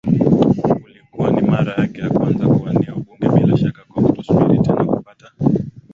ulikuwa ni mara yake ya kwanza kuwania ubunge bila shaka kwa kutosubiri tena kupata